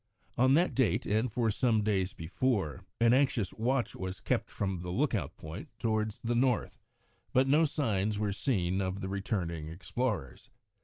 On that date, and for some days before, an anxious watch was kept from the lookout point towards the north, but no signs were seen of the returning explorers.